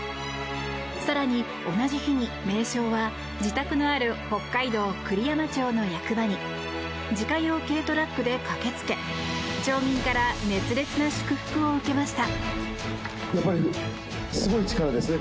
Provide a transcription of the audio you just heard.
更に同じ日に名将は自宅のある北海道栗山町の役場に自家用軽トラックで駆けつけ町民から熱烈な祝福を受けました。